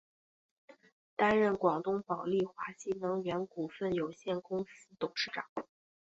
担任广东宝丽华新能源股份有限公司董事长。